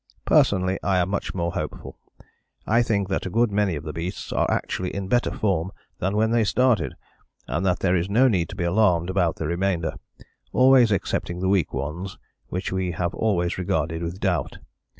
Personally I am much more hopeful. I think that a good many of the beasts are actually in better form than when they started, and that there is no need to be alarmed about the remainder, always excepting the weak ones which we have always regarded with doubt.